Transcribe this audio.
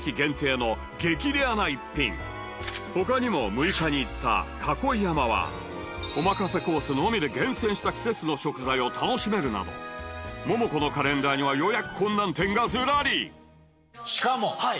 レアな一品他にも６日に行った栫山はお任せコースのみで厳選した季節の食材を楽しめるなどモモコのカレンダーには予約困難店がズラリしかも。